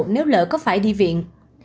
nếu lỡ có phải đi viện